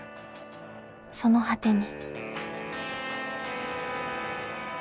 その果てに。